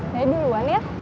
saya duluan ya